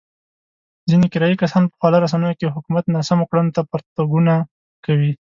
ځنې کرايي کسان په خواله رسينو کې د حکومت ناسمو کړنو ته پرتوګونه کوي.